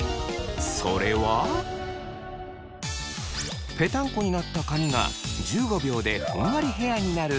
それはぺたんこになった髪が１５秒でふんわりヘアになるテク。